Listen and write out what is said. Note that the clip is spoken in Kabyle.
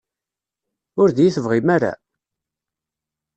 Ur d-iyi-tebɣim ara?